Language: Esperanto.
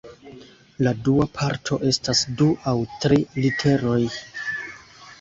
La dua parto estas du aŭ tri literoj.